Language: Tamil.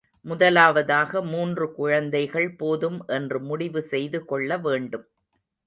முதலாவதாக மூன்று குழந்தைகள் போதும் என்று முடிவு செய்து கொள்ள வேண்டும்.